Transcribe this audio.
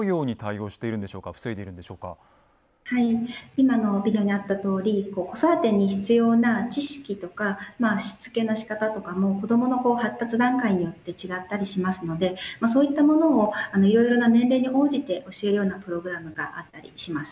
今のビデオにあったとおり子育てに必要な知識とかしつけのしかたとかも子どもの発達段階によって違ったりしますのでそういったものをいろいろな年齢に応じて教えるようなプログラムがあったりします。